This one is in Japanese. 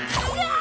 あ！